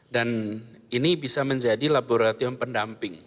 dan ini bisa menjadi laboratorium pendamping